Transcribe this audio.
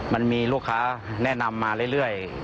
มันมีลูกค้าแนะนำมาเรื่อย